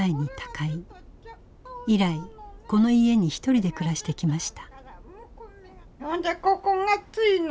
以来この家にひとりで暮らしてきました。